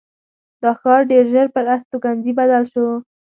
دا ښار ډېر ژر پر استوګنځي بدل شو.